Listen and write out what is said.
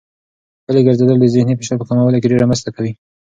پلي ګرځېدل د ذهني فشار په کمولو کې ډېره مرسته کوي.